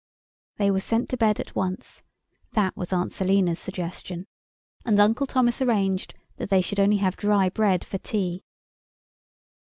They were sent to bed at once—that was Aunt Selina's suggestion—and Uncle Thomas arranged that they should have only dry bread for tea.